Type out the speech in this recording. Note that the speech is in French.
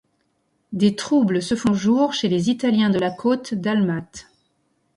Des troubles se font jour chez les Italiens de la côte dalmate.